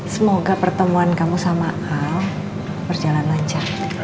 semoga pertemuan kamu sama hal berjalan lancar